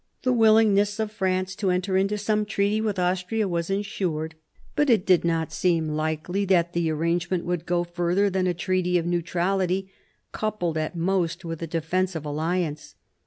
The willingness of France to enter into some treaty with Austria was ensured ; but it did not seem likely 1748 55 CHANGE OF ALLIANCES 107 • that the arrangement would go further than a treaty of \\ neutrality, coupled at most with a defensive alliance.